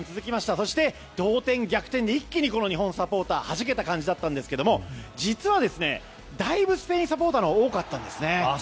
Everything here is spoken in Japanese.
そして同点、逆転で一気に日本サポーターがはじけた感じだったんですが実はだいぶスペインサポーターが多かったんですね。